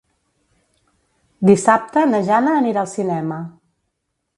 Dissabte na Jana anirà al cinema.